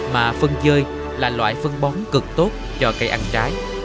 mà phân chơi là loại phân bón cực tốt cho cây ăn trái